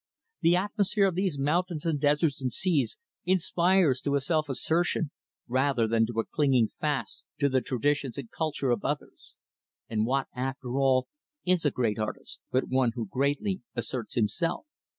The atmosphere of these mountains and deserts and seas inspires to a self assertion, rather than to a clinging fast to the traditions and culture of others and what, after all, is a great artist, but one who greatly asserts himself?"